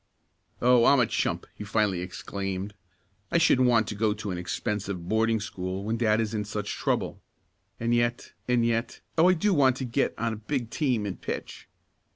"Oh, I'm a chump!" he finally exclaimed. "I shouldn't want to go to an expensive boarding school when dad is in such trouble. And yet and yet Oh! I do want to get on a big team and pitch!"